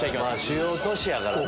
主要都市やからな。